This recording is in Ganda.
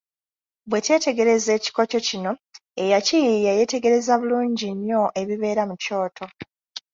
Bwe twetegereza ekikoco kino, eyakiyiiya yeetegereza bulungi nnyo ebibeera mu kyoto.